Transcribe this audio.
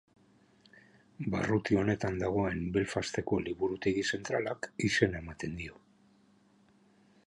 Barruti honetan dagoen Belfasteko Liburutegi Zentralak izena ematen dio.